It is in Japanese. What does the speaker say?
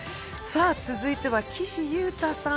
続いては岸優太さん